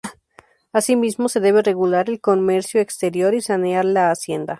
Asimismo se debe regular el comercio exterior y sanear la Hacienda.